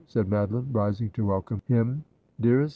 said Madoline, rising to welcome him. ' Dearest